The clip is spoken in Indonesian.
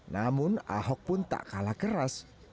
namun ahok pun tak kalah keras